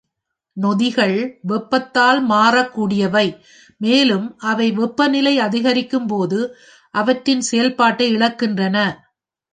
நொதிகள் வெப்பத்தால் மாறக்கூடியவை, மேலும் அவை வெப்பநிலை அதிகரிக்கும் போது அவற்றின் செயல்பாட்டை இழக்கின்றன.